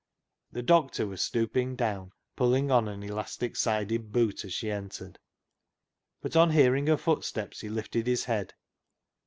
The doctor was stooping down pulling on an elastic sided boot as she entered, but on hearing her footsteps he lifted his head.